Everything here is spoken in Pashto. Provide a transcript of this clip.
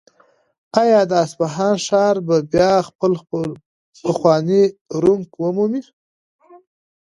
آیا د اصفهان ښار به بیا خپل پخوانی رونق ومومي؟